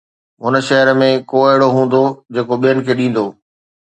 هن شهر ۾ ڪو اهڙو هوندو جيڪو ٻين کي ڏيندو؟